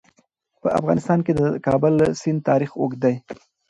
په افغانستان کې د د کابل سیند تاریخ اوږد دی.